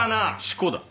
四股だ。